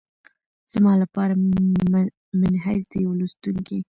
زما لپاره منحیث د یوه لوستونکي